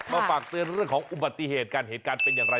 มาฝากเตือนเรื่องของอุบัติเหตุกันเหตุการณ์เป็นอย่างไร